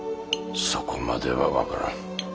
そこまでは分からん。